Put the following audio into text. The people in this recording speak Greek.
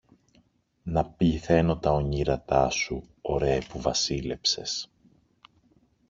να πληθαίνω τα ονείρατά σου, ωραίε που βασίλεψες